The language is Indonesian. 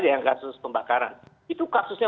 yang kasus pembakaran itu kasusnya